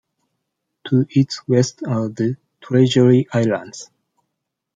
To its west are the Treasury Islands.